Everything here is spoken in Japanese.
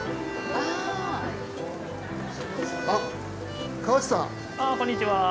ああこんにちは。